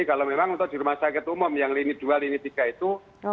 kalau memang untuk di rumah sakit umum yang lini dua lini tiga itu